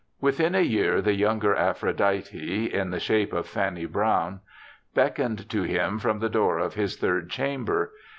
Within a year the younger Aphrodite, in the shape of Fanny Brawne, beckoned to him from the door of this third chamber.